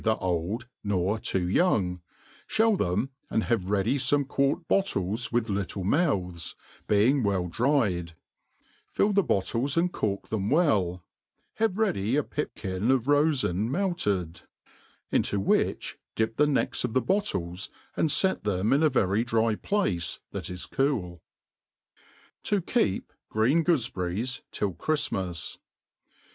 ther old, nor too young, (hell them, and have ready lime quwt bottles with little jnouths, being well dried | fill the bottles and cork them well, have ready a pipkin of roGn ipektd, into which dip the necks of the bottles, and fet them in a very dry place that is cooU To keep Green Goofeberries till Cbri/lmas.